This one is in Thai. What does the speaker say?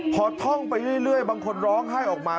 พอท่องไปเรื่อยบางคนร้องไห้ออกมา